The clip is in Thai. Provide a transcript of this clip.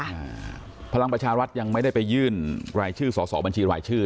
พลังประชารัฐยังไม่ได้ไปยื่นรายชื่อสอสอบัญชีรายชื่อ